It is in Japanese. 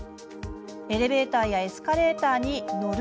「エレベーターやエスカレーターに乗る」などです。